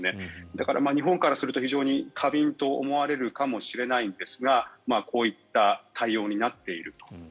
だから、日本からすると非常に過敏と思われるかもしれないんですがこういった対応になっている。